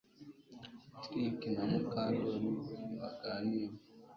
Trix na Mukandoli ntibaganira